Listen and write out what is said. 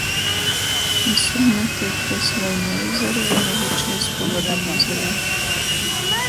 Vysod nūteikti es voi nu aizareinu, voi čajs pa dagunu izalej.